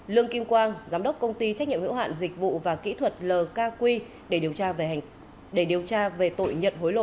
lương kim quang giám đốc công ty trách nhiệm hữu hạn dịch vụ và kỹ thuật lkq để điều tra về tội nhật hối lộ